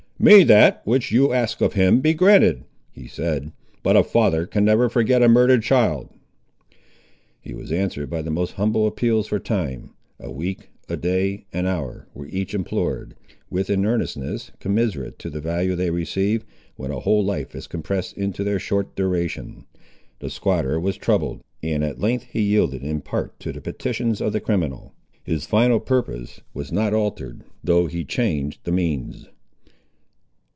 "May that, which you ask of Him, be granted," he said; "but a father can never forget a murdered child." He was answered by the most humble appeals for time. A week, a day, an hour, were each implored, with an earnestness commensurate to the value they receive, when a whole life is compressed into their short duration. The squatter was troubled, and at length he yielded in part to the petitions of the criminal. His final purpose was not altered, though he changed the means.